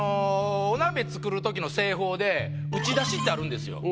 お鍋作る時の製法で打ち出しってあるんですよ。